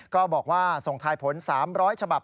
ก็บอกว่าส่งทายผล๓๐๐ฉบับ